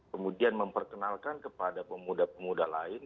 kemudian memperkenalkan kepada pemuda pemuda lain